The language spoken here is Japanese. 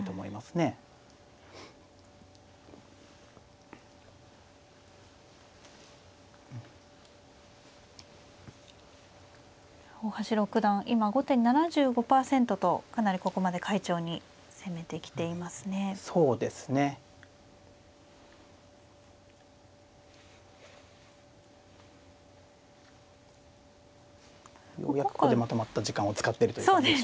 ようやくここでまとまった時間を使ってるという感じでしょうかね。